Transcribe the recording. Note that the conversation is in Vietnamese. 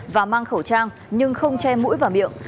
và mang khẩu trang nhưng không che mũi và miệng